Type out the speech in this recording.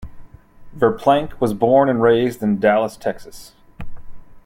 Verplank was born and raised in Dallas, Texas.